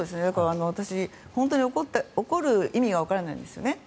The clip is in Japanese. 私、本当に怒る意味がわからないんですね。